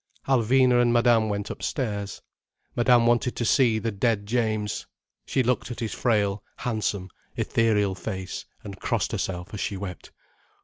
Alvina and Madame went upstairs. Madame wanted to see the dead James. She looked at his frail, handsome, ethereal face, and crossed herself as she wept.